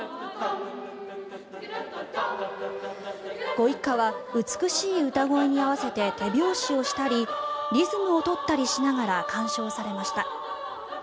ご一家は美しい歌声に合わせて手拍子をしたりリズムを取ったりしながら鑑賞されました。